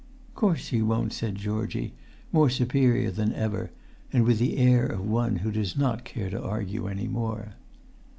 "Course he won't," said Georgie, more superior than ever, and with the air of one who does not care to argue any more.